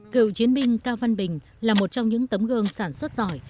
cựu chiến binh cao văn bình là một trong những tấm gương sản xuất giỏi